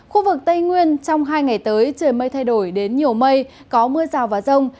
khu vực tây nguyên trong hai ngày tới trời mây thay đổi đến nhiều mây có mưa rào và rông